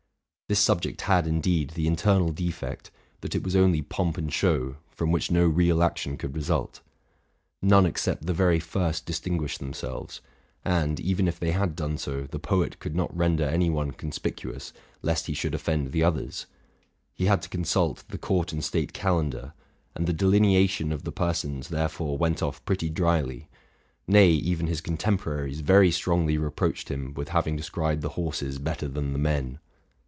This subject had, indeed, the internal defect, that it was only pomp and show, from which no real action could result. None except the very first distinguished themselves ; and, even if they had done so, the poet could not render any one conspicuous lest he should offend the others. He had to con sult the Court and State Calendar;'' and the delineation of the persons therefore went off pretty dryly, — nay, even his contemporaries very strongly reproached him with having described the horses better than the men.